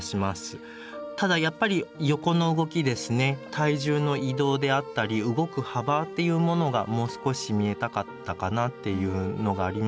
ただやっぱり横の動きですね体重の移動であったり動く幅っていうものがもう少し見えたかったかなっていうのがありますけれども。